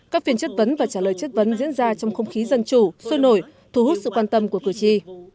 các phiên chất vấn và trả lời chất vấn diễn ra trong không khí dân chủ sôi nổi thu hút sự quan tâm của cử tri